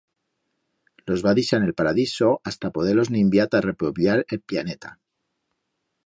Los va dixar n'el Paradiso hasta poder-los ninviar ta repobllar el pllaneta.